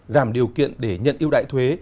giảm điều kiện để nhận yếu đải thuế